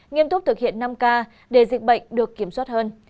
nghiêm túc thực hiện năm k để dịch bệnh được kiểm soát hơn